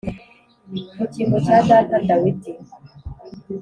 mu cyimbo cya data Dawidi